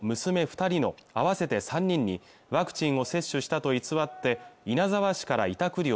二人の合わせて３人にワクチンを接種したと偽って稲沢市から委託料